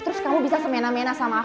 terus kamu bisa semena mena sama aku